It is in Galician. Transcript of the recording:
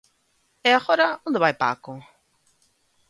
_¿E agora onde vai Paco?